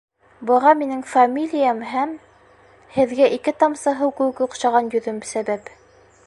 Быға минең фамилиям һәм... һеҙгә ике тамсы һыу кеүек оҡшаған йөҙөм сәбәп.